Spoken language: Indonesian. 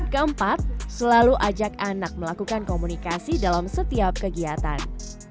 keempat selalu ajak anak melakukan komunikasi dalam setiap kegiatan